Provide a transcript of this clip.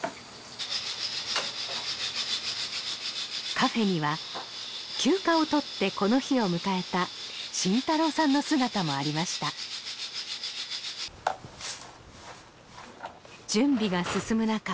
カフェには休暇を取ってこの日を迎えた真太郎さんの姿もありました準備が進む中